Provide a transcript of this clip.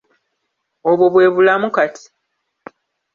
Obwo bwe bulamu kati.